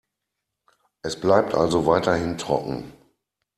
Es bleibt also weiterhin trocken.